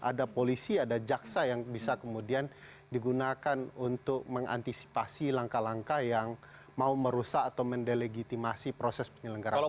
ada polisi ada jaksa yang bisa kemudian digunakan untuk mengantisipasi langkah langkah yang mau merusak atau mendelegitimasi proses penyelenggaraan